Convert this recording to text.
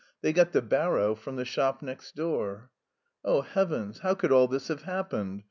They got the barrow from the shop next door." "Oh, heavens! how could all this have happened?